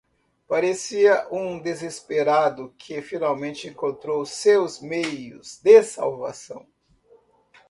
Parecia um desesperado que finalmente encontrou seus meios de salvação.